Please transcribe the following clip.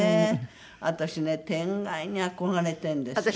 私ね天蓋に憧れてるんですよ。